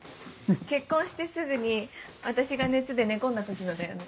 結婚してすぐに私が熱で寝込んだ時のだよね。